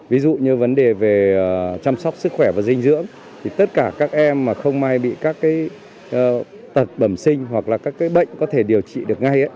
ví dụ như vấn đề về chăm sóc sức khỏe và dinh dưỡng thì tất cả các em mà không may bị các tật bầm sinh hoặc là các bệnh có thể điều trị được ngay